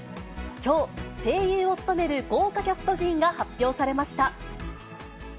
きょう、声優を務める豪華キャスト陣が発表されました。